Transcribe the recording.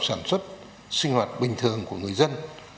sản xuất sinh hoạt bình thường của người dân